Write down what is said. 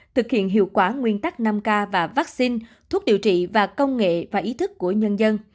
thực hiện hiệu quả nguyên tắc năm k và vaccine thuốc điều trị và công nghệ và ý thức của nhân dân